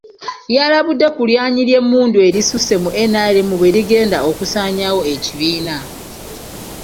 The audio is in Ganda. Yalabudde ku lyanyi ly'emmundu erisusse mu NRM bwe ligenda okusanyaawo ekibiina.